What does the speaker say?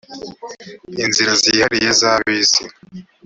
inzira zihariye za bisi